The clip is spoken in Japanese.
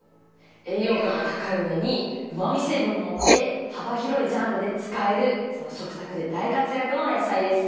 栄養価が高い上にうまみ成分も多くて幅広いジャンルで使える食卓で大活躍の野菜です。